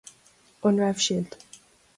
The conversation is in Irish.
An raibh sibh